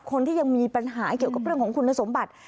คนที่ยังมีปัญหาเกี่ยวกับเรื่องของคุณสมบัติ